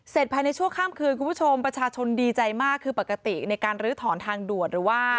ภายในชั่วข้ามคืนคุณผู้ชมประชาชนดีใจมากคือปกติในการลื้อถอนทางด่วนหรือว่า